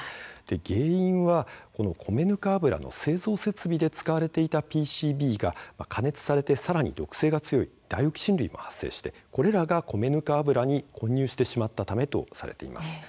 原因はこの米ぬか油の製造設備で使われていたＰＣＢが加熱されてさらに毒性の強いダイオキシン類も発生してこれらが米ぬか油に混入してしまったためとされています。